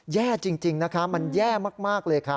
แย่จริงนะคะมันแย่มากเลยค่ะ